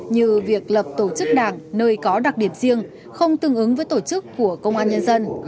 như việc lập tổ chức đảng nơi có đặc điểm riêng không tương ứng với tổ chức của công an nhân dân